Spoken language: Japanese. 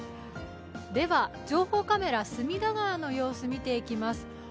情報カメラ隅田川の様子見ていきます。